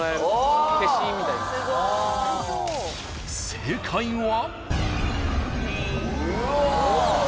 ［正解は］